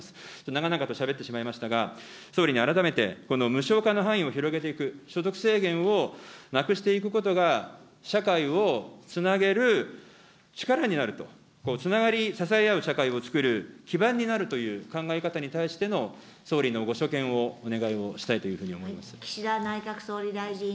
長々としゃべってしまいましたが、総理に改めて、この無償化の範囲を広げていく、所得制限をなくしていくことが、社会をつなげる力になると、つながり支え合う社会をつくる基盤になるという考え方に対しての総理のご所見をお願いとしたいというふうに思います。